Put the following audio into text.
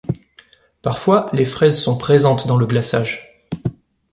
Parfois, les fraises sont présentes dans le glaçage.